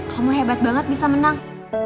kamu hebat banget bisa menang